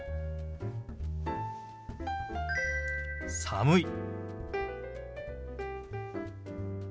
「寒い」。